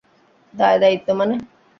দায় দায়িত্ব মানে?